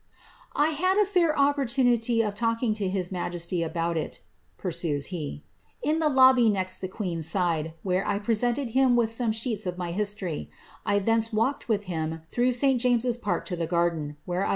^ I had a fair opportunity of talking to his majesty about it," pursues he, ^in the lobby next the queen^s side, where I presented him with some sheets of my histcny* 1 thence walked with him through St JamesV Park to the garden, whg » Pepys.